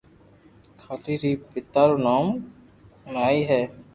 ڪالي ري پيتا رو نوم نائي ھي